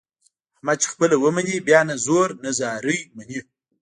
احمد چې خپله ومني بیا نه زور نه زارۍ مني.